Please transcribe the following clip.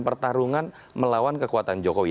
pertarungan melawan kekuatan jokowi